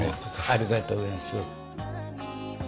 ありがとうございます。